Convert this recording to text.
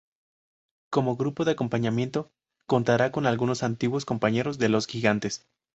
Como grupo de acompañamiento contará con algunos antiguos compañeros de Los Gigantes.